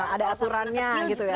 ada aturannya gitu ya